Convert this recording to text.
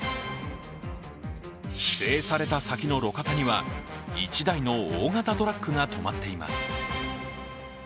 規制された先の路肩には１台の大型トラックが止まっています。